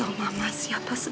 nggak boleh rosadseng